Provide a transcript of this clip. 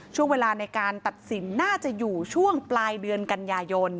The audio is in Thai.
ช่วงเวลาในการตัดสินน่าจะอยู่ช่วงปลายเดือนกันยายน